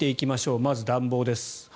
まず暖房です。